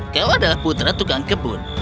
kau adalah putra tukang kebun